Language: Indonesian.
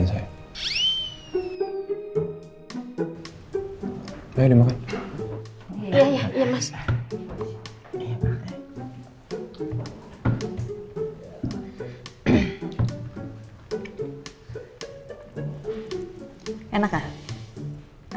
bisa gak ada buah buahan kayak gini kan mama